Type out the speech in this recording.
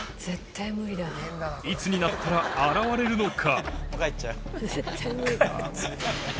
いつになったら現れるのか？